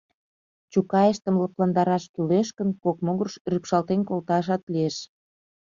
Чукайыштым лыпландараш кӱлеш гын, кок могырыш рӱпшалтен колташат лиеш.